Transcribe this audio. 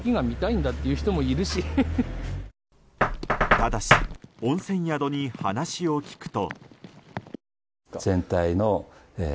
ただし温泉宿に話を聞くと。